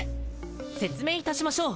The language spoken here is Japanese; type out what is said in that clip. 説明いたしましょう！